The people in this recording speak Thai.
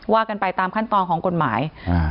ว่ากันไปตามขั้นตอนของกฎหมายอ่า